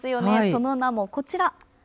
その名もこちら。